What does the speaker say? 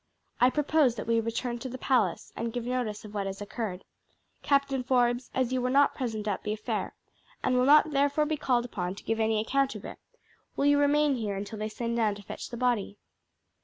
I propose that we return to the palace and give notice of what has occurred. Captain Forbes, as you were not present at the affair, and will not therefore be called upon to give any account of it, will you remain here until they send down to fetch the body?